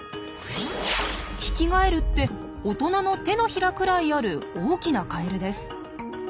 ヒキガエルって大人の手のひらくらいある大きなカエルです。